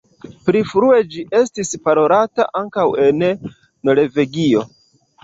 Pli frue ĝi estis parolata ankaŭ en Norvegio.